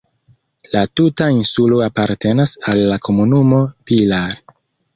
La tuta insulo apartenas al la komunumo Pilar.